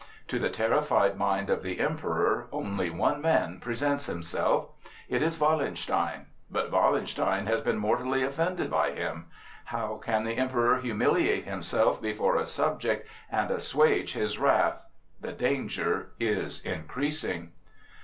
To the terrified mind of the Emperor only one man presents himself. It is Wallenstein. But Wallenstein has been mortally offended by him. How can the Emperor humiliate himself before a subject and assuage his wrath? The danger is increasing.